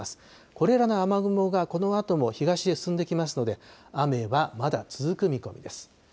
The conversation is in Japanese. これらの雨雲がこのあとも東へ進んできますので、雨はまだ続く見込みです。